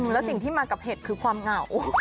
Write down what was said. แล้วสิ่งที่มากับเห็ดคือความเหงา